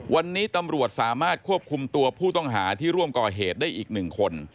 วันนี้ตำรวจสามารถควบคุมตัวผู้ต้องหาที่ร่วมก่อเหตุได้อีก๑คน